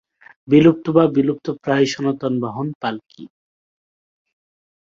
বিলুপ্ত বা বিলুপ্তপ্রায় সনাতন বাহন পালকি।